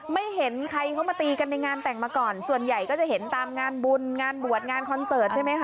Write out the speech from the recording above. ไม่เห็นใครเขามาตีกันในงานแต่งมาก่อนส่วนใหญ่ก็จะเห็นตามงานบุญงานบวชงานคอนเสิร์ตใช่ไหมคะ